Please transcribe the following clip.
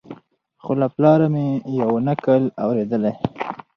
خو له پلاره مي یو نکل اورېدلی